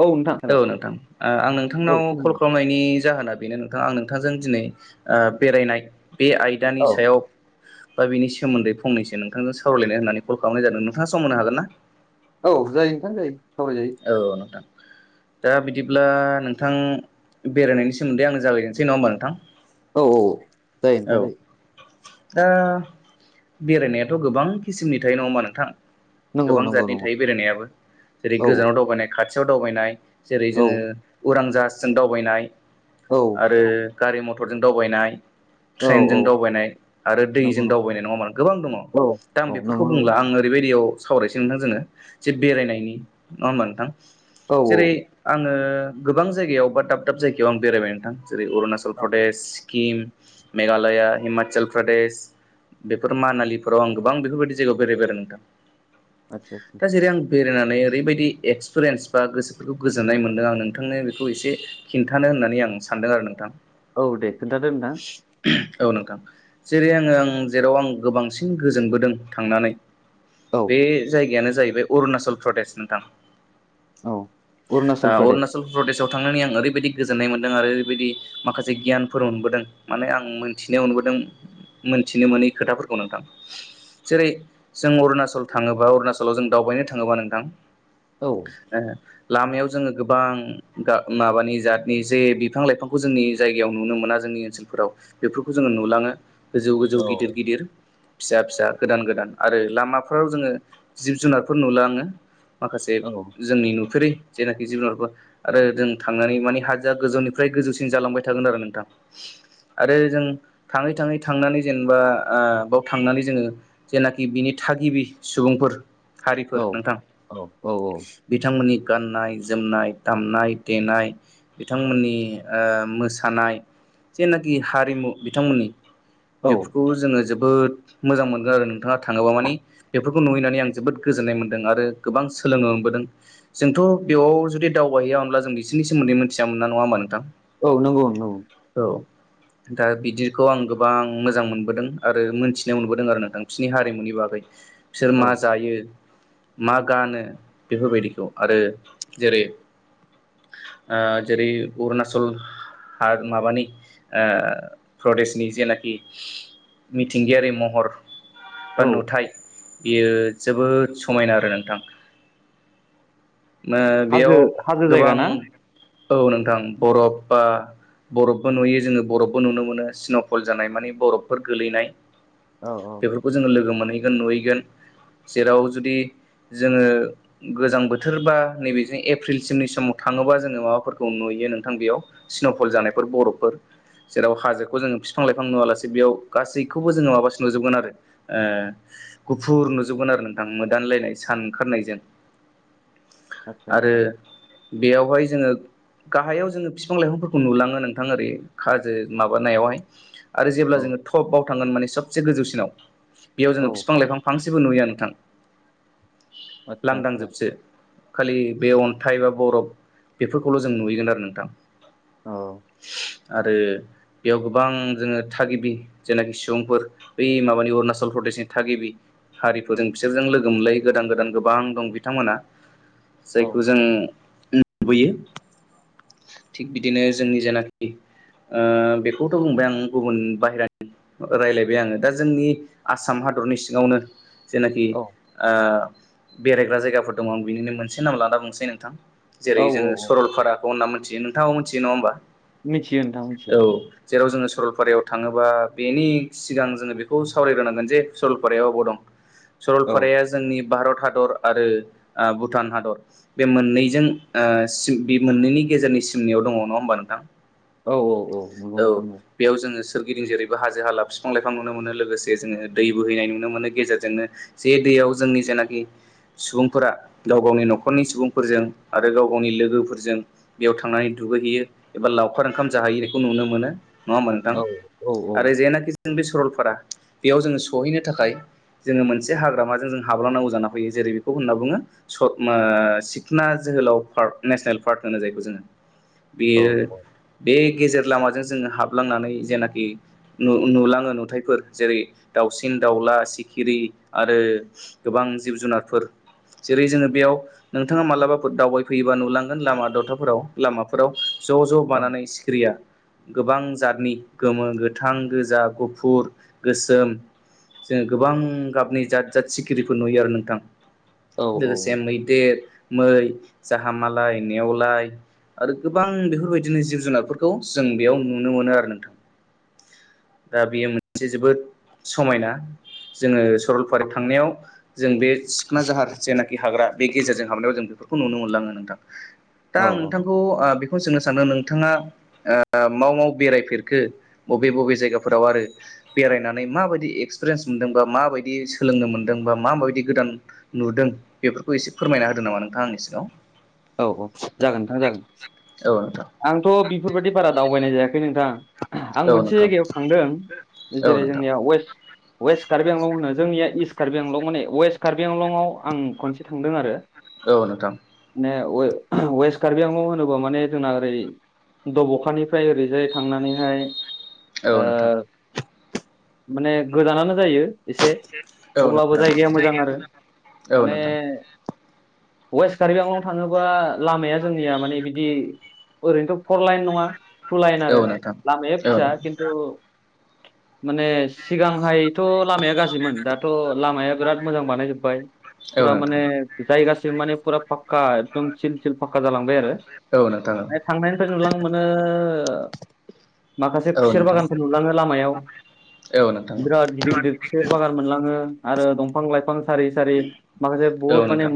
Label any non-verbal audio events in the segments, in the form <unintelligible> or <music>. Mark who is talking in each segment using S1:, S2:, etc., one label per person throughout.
S1: औ नोंथां
S2: औ
S1: हेल'
S2: नोंथां ओ आं
S1: औ
S2: नोंथांनाव कल
S1: खोनादों।
S2: खालामनायनि जाहोना बेनो नोंथां आं नों थांजों दिनै बेरायनाय बे आयदानि
S1: औ
S2: सायाव बा बिनि सोमोन्दै फंनैसो नोंथांजों सावरायलायनो होननानै कल खालामनाय जादों नोंथाङा सम होनो हागोन ना?
S1: औ जायो नोंथां जायो सावरायजायो
S2: औ नोंथां दा बिदिब्ला नोंथां बेरायनायनि सोमोन्दै आंनो जागायनोसै नङा होमबा नोंथां?
S1: औ औ जायो
S2: औ
S1: नोंथां जायो
S2: दा बेरायनायाथ‌ गोबां किसिमनि थायो नंङा होनबा नोंथां?
S1: नंगौ
S2: गोबां
S1: नंगौ
S2: जातनि
S1: नंगौ
S2: थायो बेरायनायाबो जेरै
S1: औ
S2: गोजानाव दावबायनाय खाथियाव दावबायनाय जेरै
S1: औ
S2: जोङो उरां जाहाजजों दावबायनाय
S1: औ
S2: आरो गारि मथरजों दावबायनाय
S1: औ औ
S2: ट्रेनजों दावबायनाय आरो
S1: नंगौ
S2: दैजों
S1: नंगौ
S2: दावबायनाय नङा होनबा गोबां दङ दा आं
S1: औ औ
S2: बेफोरखौ
S1: नंगौ नंगौ
S2: बुंला आं ओरैबायदियाव सावरायसै नोंथां जोङो जे बेरायनायनि नङा होमबा नोंथां
S1: औ
S2: जेरै आङो गोबां जायगायाव बा दाब दाब जायगायाव आं बेरायबाय नोंथां जेरै अरुनाचल
S1: औ
S2: प्रदेश क्किम मेघालया हिमाचल प्रदेश बेफोर मानालिफोराव आं गोबां बेफोरबायदि जायगायाव बेरायबाय आरो नोंथां
S1: आतसा आतसा
S2: दा जेरै आं बेरायनानै ओरैबाय दि एक्सपिरियेनस बा गोसोफोरखौ गोजोन्नाय मोनदों आं नोंथांनो बेखौ एसे खिन्थानो होननानै आं सानदों आरो नोंथां
S1: औ दे खोन्थादो नोंथां
S2: औ नोंथां जेरै आङो आं जेराव आं गोबांसिन गोजोनबोदों थांनानै
S1: औ
S2: बे जायगायानो जाहैबाय अरुणाचल प्रदेश नोंथां
S1: औ
S2: ओ
S1: अरुणाचल प्रदेश
S2: अरुणाचल प्रदेशआव थांनानै आं ओरैबायदि गोजोन्नाय मोनदों आरो ओरैबायदि माखासे गियानफोर मोनबोदों माने आं मोनथिनो मोनबोदों मोनथिनो मोनै खोथाफोरखौ नोंथां जेरै जों अरुणाचल थाङोबा अरुणाचलाव जों दावबायनो थाङोबा नोंथां
S1: औ
S2: ए लामायाव जोङो गोबां गा माबानि जातनि जे बिफां लाइफांखौ जोंनि जायगायाव नुनो मोना जों जोंनि ओनसोलफोराव बेफोरखौ जोङो नुलाङो गोजौ गोजौ
S1: औ
S2: गिदिर गिदिर फिसा फिसा गोदान गोदान आरो लामाफोराव जोङो जिब जुनारफोर नोलाङो माखासे
S1: औ
S2: जोंनि नुफेरै जेनाखि जिबुनारखौ आरो जों थांनानै माने हाजोआ‌ गोजौनिफ्राय गोजौसिन जालांबाय थागोन आरो नोंथां आरो जों थाङै थाङै थांनानै जेनेबा आ बयाव थांनानै जोङो जेनाखि बिनि थागिबि सुबुंफोर
S1: औ
S2: हारिफोर नोंथां
S1: औ औ
S2: बिथांमोननि गाननाय जोमनाय दामनाय देनाय बिथांमोननि आ मोसानाय जेनाखि हारिमु बिथांमोननि
S1: औ
S2: बेफोरखौ जोङो जोबोद जोबोद मोजां मोनगोन आरो नोंथाङा थाङोबा माने बेफोरखौ नुहैनानै आं जोबोद गोजोन्नाय मोन्दों आरो गोबां सोलोोनो मोनबोदों जोंथ' बेयाव जुदि दावबायहैया होमब्ला जों बिसोरनि सोमोन्दै मिथियामोन नङा होमा नोंथां
S1: औ नंगौ नंगौ
S2: औ दा बिदिखौ आं गोबां मोजां मोनबोदों आरो मोनथिनाय मोनबोदों आरो नोंथां बिसनि हारिमुनि बागै गै बिसोर
S1: औ
S2: मा जायो मा गानो बेफोरबायदिखौ आरो जेरै अ जेरै अरुनाचल हा माबानि आ प्रदेशनि जेनाखि मिथिंगायारि महर बा
S1: औ
S2: नुथाय बेयो जोबोद समायना आरो नोंथां अ
S1: हाजो
S2: बेयाव
S1: हाजो
S2: गोबां
S1: जायगा ना
S2: औ नोंथां बरफ बा बरफबो नुयो जोङो बरफबो नुनो मोनो स्न'फल जानाय
S1: औ
S2: माने बरपफोर गोलैनाय
S1: औ
S2: बेफोरखौ जोङो लोगो मोनहैगोन नुहैगोन जेराव जुदि जोङो गोजां बोथोर बा नैबे जों एप्रिलसिमनि समाव थाङोबा जोङो माबाफोरखौ नुयो नोंथां बेयाव स्न'फल जानायफोर बरपफोर जेराव हाजोखौ जोङो बिफां लाइफां नुवालासे बेयाव गासैखौबो जोङो माबासो नुजोबगोन आरो ए गुफुर नुजोबगोन आरो नोंथां मोदानलायनाय सान ओंखारनायजों
S1: आतसा
S2: आरो
S1: आतसा
S2: बेयावहाय जोङो गाहायाव जोङो बिफां लाइफांफोरखौ नुलाङो नोंथां ओरै खाजो माबानायावहाय आरो जेब्ला
S1: औ
S2: जोङो टपाव थांगोन माने सबसे गोजौसिनाव बेयाव
S1: औ
S2: जोङो फिफां लाइफां फांसेबो सेबो नुहैया नोंथां
S1: आतसा आतसा
S2: लांदांजोबसो खालि बे अन्थाइ बा बरफ बेफोरखौल' जों नुहैगोन आरो नोंथां
S1: औ
S2: <unintelligible> आरो बेयाव गोबां जोङो थागिबि जेनाखि सुबुंफोर बै माबानि अरुणाचल प्रदेश शनि थागिबि हारिफोरजों बिसोरजों लोगो मोनलायो गोदान गोदान गोबां दं बिथांमोना जायखौ
S1: औ
S2: जों नुबोयो थिग बिदिनो जोंनि जेनाखि अ बेखौथ' बुंबाय आं गुबुन बाहेरानि राय्लायबाय आङो दा जोंनि आसाम हादरनि सिङावनो जेनाखि
S1: औ
S2: आ बेरायग्रा जायगाफोर दङ आं बिनिनो मोनसे नाम लाना बुंनोसै नोंथां
S1: औ
S2: जेरै जोङो
S1: औ औ
S2: सरलपाराखौ होनना मिथियो नोंथाङाव मिथियो नङा होनोमबा
S1: मिथियो नोंथां मिथियो
S2: जेराव जोङो सरलपारायाव थाङोबा बेनि सिगां जोङो बेखौ सावरायग्रोनांगोन जे सरलपारायाव आबाव दं
S1: औ
S2: सरलपाराया जोंनि भारत हादर दर आरो भुटान हादर बे मोननै मोननैनि गेजेरनि सिमनियाव दङ नङा होनोमबा नोंथां
S1: औ औ औ नंगौ
S2: औ
S1: नोंथां
S2: बेयाव जोंङो सोरगिदिं जेरैबो हाजो हाला बिफां लाइफां नुनो मोनो लोगोसे जोंङो दै बोहैनाय नुनो मोनो गेजेरजोंनो जे दै बेयाव जोंनि जेनाखि सुबुंफोरा गाव गावनि न'खरनि सुबुंफोरजों आरो गाव गावनि लोगोफोरजों बेयाव थांनानै दु गैहैयो एबा लावखार ओंखाम जाहैयो बेखौ नुनो मोनो नङा होमबा नोंथां
S1: औ औ
S2: आरो जेनाखि जों बे सरलपारा बेयाव जोंङो सहैनो थाखाय जोंङो मोनसे हाग्रामाजों जों हाबलांनांगौ जाना फैयो जेरै बेखौ होनना बुङो <unintelligible> ओ सिखना जो होलाव फार्क नेसनेल फार्क होनो जायखौ जोंङो
S1: औ
S2: बेयो बे गेजे लामों जोंङो हाबलांनानै जेनाखि नु नुलाङो नुथायफोर जेरै दाउसिन दाउ ला सिखिरि आरो गोबां जिब जुनारफोर जेरै जोंङो बेयाव नोंथाङा मालाबाफोर दावबायफैयोबा नुलांगोन लामा दथाफोराव लामाफोराव ज' ज'
S1: औ
S2: बानानै सिखिरिया गोबां जातनि गोमो गोथां गोजा गुफुर गोसोम जोंङो गोबां गाबनि जद जाद सिखिरिफोर नुयो आरो नोंथां लोगोसे मैदेर मै जाहामालाय नेवलाय आरो गोबां बेफोरबायदिनो जिब जुनारफोरखौ जों बेयाव नुनो मोनो आरो नोंथां दा बेयो मोनसे जोबोद समायना जोंङो सरलपारायाव थांनायाव जों बे सिखोना जाहार जेनाखि हाग्रा बे गेजेरजों हाबनायाव जों - बेफोरखौ नुनो मोनलाङो नोंथां दा
S1: औ
S2: आं नोंथांखौ आ बेखौनो सोंनो सानो नोंथाङा ओ माव माव बेरायफेरखो बबे बबे जायगाफोराव आरो बेरायनानै माबायदि एक्स एक्सपिरियेन्स मोनदों बा माबायदि सोलोंनो मोनदों बा मा माबायदि गोदान नुदों बेफोरखौ एसे फोरमायना हो नामा नोंथां आंनि सिङाव
S1: औ औ जागोन नोंथां
S2: औ नोंथां
S1: जागोन आंथ' बेफोरबायाददि बारा दावबायनाय जायाखै नोंथां
S2: औ
S1: आं मोनसे
S2: नोंथां
S1: जायगायाव थांदों
S2: औ
S1: जेरै
S2: नोंथां
S1: जोंनिया वेस्ट वेस्ट कार्बिआंलं होनो जोंनिया इस्ट कार्बिआंलं माने वेस्ट कार्बिआंलंआव आं खनसे थांदों आरो
S2: औ नोंथां
S1: माने वे वेस्ट कार्बिआंलं होनोबा माने जोंना ओरै दब'खानिफ्राय ओरैजाय थांनानैहाय
S2: औ नोंथां
S1: ओ माने गोजानानो जायो एसे
S2: औ
S1: अब्लाबो
S2: नोंथां
S1: जायगाया मोजां आरो माने वेष्ट खार्बिआंलं थाङोबा लामाया जोंनिया माने बिदि ओरैनोथ' फर लाइन नङा थु लाइन
S2: औ नोंथां औ नोंथां औ नोंथां औ
S1: आरो
S2: नोंथां
S1: लामाया
S2: औ
S1: फिसा
S2: नोंथां औ
S1: खिन्थु माने सिगांहायथ' लामाया गाज्रिमोन दाथ' लामाया बिराद मोजां बानायजोबबाय फुरा
S2: नोंथां
S1: माने जायगासिम माने फुरा फाक्का एकदम सिल सिल फाखक्का जालांबाय आरो थांनायनिफ्राय नुलां मोनो माखासे खुसेर बागानफोर नुलाङो लामायाव बिराद गिदिर गिदिर खुसेर बागान मोनलाङो आरो दंफां लाइफां सारि सारि माखासे
S2: औ
S1: बुहुत
S2: नोंथां
S1: माने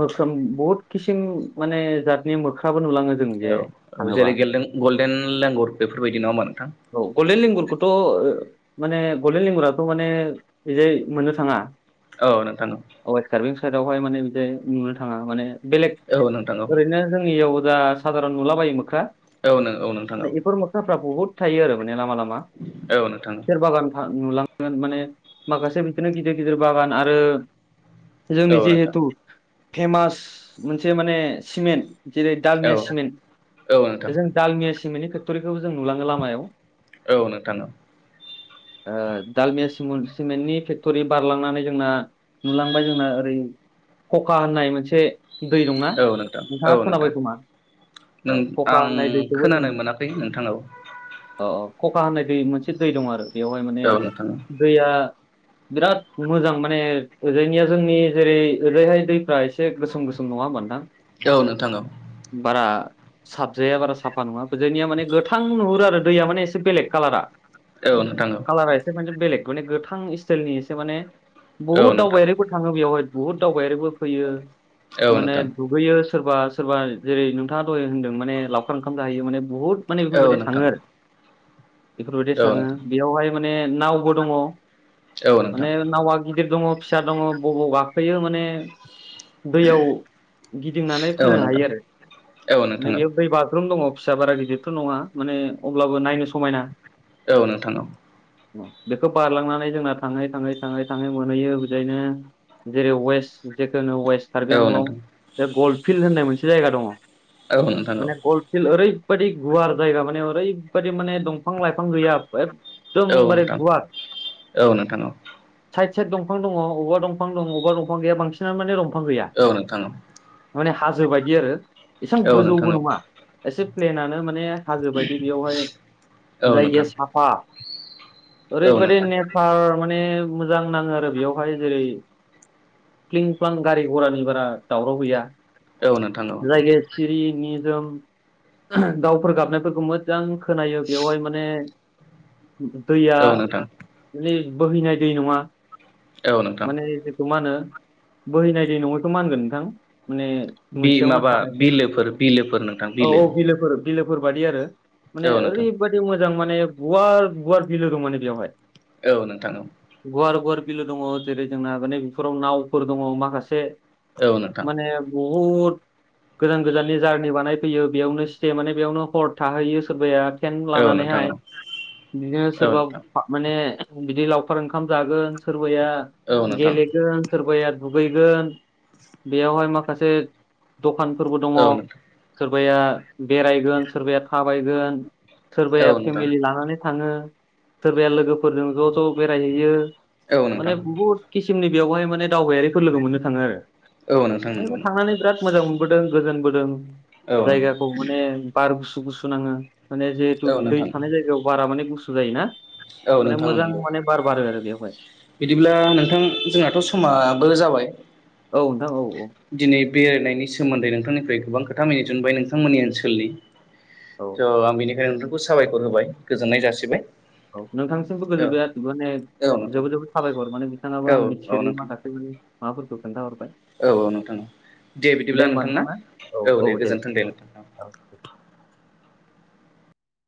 S1: मोख्रोन बहुद किसिम माने जातनि मोख्रा,
S2: औ औ जेरैे गेलेदों गल्डेन लेंगुर बेफोरबायदि नङा होमबा नोंथां
S1: खौथ' माने गलडेन लेंगुराथ' माने बेजाय मोननो थाङा।
S2: औ नोंथां
S1: साइदवहाय माने नुनो थाङा माने बेलेग
S2: औ नोंथां औ
S1: ओरैनो जोंनियाव <unintelligible> साधारन नुला बायो मोख्रा
S2: औ नों औ नोंथां
S1: माने
S2: औ।
S1: बेफोर मोख्राफ्रा बुहुत थायो आरो माने लामा लामा
S2: औ नोंथां
S1: खुसेर बाागान। नुलांगोन माने माखासे बिदिनो गिदिर गिदिर बागान आरो।
S2: औ
S1: जोंनि
S2: नोंथां
S1: जिहेथु फेमास मोनसे माने सिमेन्ट। जेरै
S2: औ
S1: दालमिया
S2: नोंथां औ नोंथां
S1: सिमेन्ट जों दालमिया सिमेन्टनि फेक्ट'रिखौ जों नुलाङो लामायाव।
S2: औ नोंथां।
S1: ओ दालमिया सिमेन्टनि फेक्ट'रि बारलांनानै जोंना नुलांबाय जोंना ओरै खखा होननाय मोनसे। दै दंना
S2: नोंथां औ
S1: नोंथाङा खोनाबाय
S2: नोंथां
S1: खोमा।
S2: नों
S1: औ खखा
S2: आं
S1: होननाय दैखौबो जों
S2: खोनानो मोनाखै नोंथां औ
S1: औ औ। खखा होननाय दै मोनसे दै दं आरो बेवहाय माने
S2: औ नोंथां
S1: दैया। बिराद मोजां माने ओजायनिया जोंनि जेरै ओरजायहाय। दैफ्रा एसे गोसोम गोसोम नङा होनबा नोंथां?
S2: औ नोंथां औव।
S1: बारा। साबजाया बारा साफा नङाजायनिया माने गोथां नुहुरो आरो दैया माने एसे बेलेग कालारा।
S2: औ नोंथां औ।
S1: कालारा एसे माने बेलेग माने गोथां स्टाइलनि एसे माने
S2: औ
S1: बुहुत
S2: नोंथां
S1: दावबायारिबो थाङो बेवहाय बहुद दावबायारिबो। फैयो
S2: औ
S1: माने
S2: नोंथां
S1: दुगैयो। सोरबा सोरबा जेरै नोंथाङा दहाय होनदों माने लावखार ओंखाम जाहैयो माने बुहुद। माने
S2: औ नोंथां औ
S1: बेफोरबायदि
S2: नोंथां
S1: थाङो आरो बेफोरबायदि थाङो बेयावहाय माने नावबो दङ।
S2: औ नोंथां
S1: माने नावा गिदिर दङ फिसा दङ बबाव गाखोयो माने दैयाव गिदिंनानै
S2: औ नोंथां औ नोंथां औ
S1: फैनो
S2: नोंथां
S1: हायो आरो
S2: औ नोंथां औ नोंथां
S1: माने बेयाव दै बाज्रुम। दङ फिसा बारा गिदिरथ' नङा माने अब्लाबो नायनो समायना।
S2: औ नोंथांनाव।
S1: बेखौ बारलांनानै जोंना थाङै थाङै थाङै थाङै मोनहैयो बिदायनो जेरै वेस्ट जेखुनु वेस्ट कार्बि आंलं बे गल्फिल्ड होननाय मोनसे जायगा दङ। माने बलफिल ओरै। बायदि गुवार जायगा माने ओरैबायादि माने दंफां लाइफां गैया। एकदमबारे गुवार। से दंफां दङ अबा दंफांं दं अबा दंफां गैया बांसिनानो माने दं। दंफां गैया
S2: औ नोंथां औ
S1: थारमाने हाजो बायदि आरो एसेबां
S2: औ नोंथां
S1: गोजौबो
S2: औ
S1: नङा। एसे प्लेनानो माने हाजो बायदि बेयावहाय
S2: औ
S1: जायगाया
S2: नोंथां
S1: साफा।
S2: औ
S1: ओरैबाददि
S2: नोंथां
S1: नेचार माने मोजां नाङो आरो बेयावहाय जेरै। क्लिं फ्लां गारि घरानि बारा दावराव गैया
S2: औ नोंथां औ
S1: जायगाया सिरि। निजोम दाउफोर गाबनायफोरखौ मोजां खोनायो बेवहाय माने। दैया
S2: औ नोंथां
S1: माने बोहैनाय दै नङा।
S2: औ नोंथां
S1: माने जेथु मा होनो बोहैनाय दै नङैथखौ माहोनगोन नोंथां? माने
S2: बि
S1: मोनसेयावनो
S2: माबा
S1: थानायसै
S2: बिलोफोर बिलोफोर नोंथां
S1: औ
S2: बिलो
S1: औ बिलोफोर। बिलोफोर बायदि आरो माने
S2: औ नोंथां
S1: ओरैबायदि मोजां माने गुवार गुवार बिलो दं माने बेवहाय
S2: औ नोंथां औ।
S1: बिल दंओ जेरै जोंना मान बेफोराव नावफोर दङ माखासे
S2: औ नोंथां
S1: माने अमुद गोजान गोजाननि जारनि बानायफैयो बेयावनो सिटे माने बेयावनो हर थाहैयो सोरबाया। सेकन्
S2: औ
S1: लानानैहाय
S2: नोंथां
S1: बिदिनो
S2: औ
S1: सोरबा
S2: नोंथां
S1: बा माने बिदि लावखार ओंखाम जागोन सोरबाया
S2: औ नोंथां औ नोंथां
S1: गेलेगोन सोरबाया दुगैगोन बेयावहाय माखासे दखानफोरबो दङ
S2: औ
S1: सोरबाया बेरायगोन सोरबाया थाबायगोन। सोरबाया
S2: नोंथां
S1: फेमिलि लानानै थाङो, सोरबाया लोगोफोरजों ज' ज' बेरायहोयो
S2: औ
S1: माने
S2: नोंथां
S1: बुहुत किसिमनि बेयावहाय माने दावबायारिफोर लोगो मोननो थाङो आरो
S2: औ नोंथां नंगौ
S1: जोंबो थांनानै बिराद मोजां मोनबोदों गोजोनबोदों।
S2: औ
S1: जायगाखौ माने बार गुसु गुसु नाङो। माने जिहेतु
S2: औ
S1: दै
S2: नोंथां
S1: थानाय जायगायाव बारा माने गुसु जायोना।
S2: औ
S1: माने
S2: नोंथां
S1: मोजां
S2: नंगौ
S1: माने बार बारो आरो बेवहाय
S2: बिदिब्ला नोंथां जोंहाथ' बो जाबाय।
S1: औ नोंथां औ।
S2: दिनै बेरायनायनि सोमोन्दै नोंथांनिफ्राय गोबां खोथा मिथिनो मोनबाय नोंथांमोननि ओनसोलनि।
S1: औ
S2: थ' आं बेनिखायनो नोंथांखौ साबायखर होबाय गोजोननाय जासिबाय।
S1: औ नोंथांसिमबो
S2: औ
S1: गोजोबाय माने
S2: औ नोंथां
S1: जोबोद जोबोद साबायखर माने बिथाङाबो
S2: औ
S1: आं
S2: औ
S1: मिथिफेरि
S2: नोंथां
S1: माखासे मां बस्थु खोन्थाहर।
S2: औ औ नोंथां दे बिदिब्ला नोंथां ना औ दे गोजोन्थों दे नोंथां <inaudible>